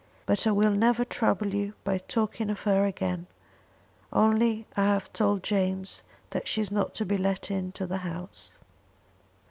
But I will never trouble you by talking of her again. Only I have told James that she is not to be let into the house."